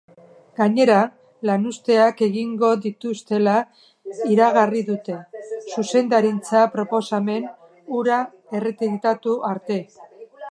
Gainera, lanuzteak egingo dituztela iragarri dute, zuzendaritzak proposamen hura erretiratu arte.